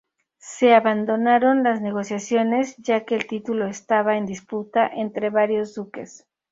Se abandonaron las negociaciones ya que el título estaba en disputa entre varios duques.